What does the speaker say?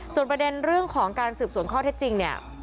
ส่วนประเด็นเรื่องของการสืบสวนข้อเท็จจริงเนี่ย